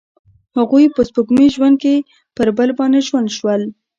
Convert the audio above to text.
هغوی په سپوږمیز ژوند کې پر بل باندې ژمن شول.